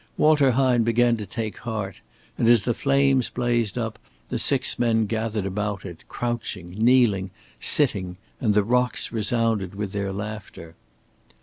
Walter Hine began to take heart; and as the flames blazed up, the six men gathered about it, crouching, kneeling, sitting, and the rocks resounded with their laughter.